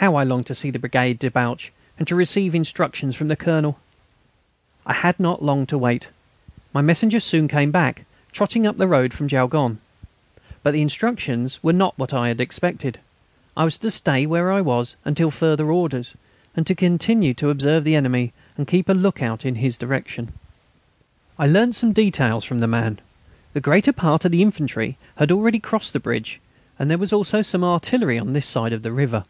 How I longed to see the brigade debouch, and to receive instructions from the Colonel! I had not long to wait. My messenger soon came back, trotting up the road from Jaulgonne. But the instructions were not what I had expected. I was to stay where I was until further orders, to continue to observe the enemy, and keep a look out in his direction. I learnt some details from the man. The greater part of the infantry had already crossed the bridge, and there was also some artillery on this side of the river.